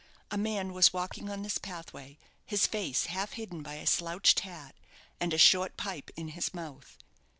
A man was walking on this pathway, his face half hidden by a slouched hat, and a short pipe in his month.